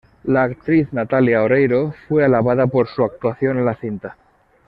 La actriz Natalia Oreiro fue alabada por su actuación en la cinta.